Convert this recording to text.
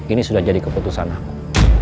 ini sudah jadi keputusan aku